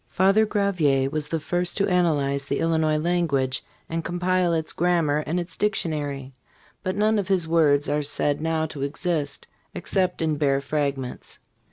Father Gravier was the first to analyze the Illinois language and compile its grammar and its dictionary, but none of his works are said now to exist except in bare fragments.